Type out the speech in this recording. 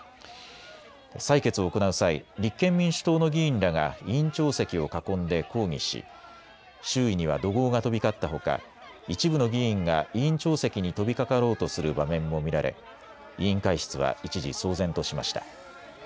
採決を行う際、立憲民主党の議員らが委員長席を囲んで抗議し周囲には怒号が飛び交ったほか一部の議員が委員長席に飛びかかろうとする場面も見られ委員会室は一時、騒然としました。